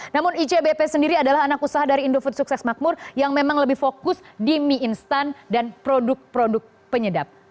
namun icbp sendiri adalah anak usaha dari indofood sukses makmur yang memang lebih fokus di mie instan dan produk produk penyedap